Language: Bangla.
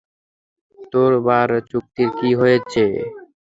তোর বার চুক্তির কী হয়েছে?